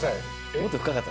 もっと深かった。